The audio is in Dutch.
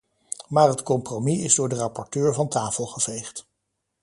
Maar het compromis is door de rapporteur van tafel geveegd.